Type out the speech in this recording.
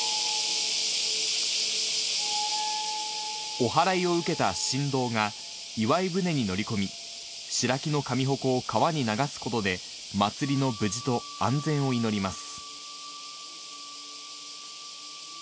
おはらいを受けた神童が、斎船に乗り込み、白木の神鉾を川に流すことで、祭りの無事と安全を祈ります。